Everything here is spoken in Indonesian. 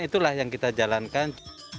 itulah yang kita jalankan